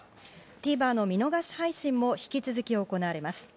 ＴＶｅｒの見逃し配信も引き続き行われます。